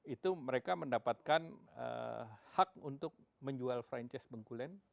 itu mereka mendapatkan hak untuk menjual franchise bengkulen